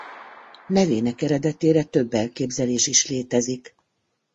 Nevének eredetére több elképzelés is létezik.